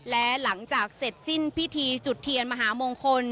และหลังจากเสร็จสิ้นพิธีจุดเทียนมหามงคล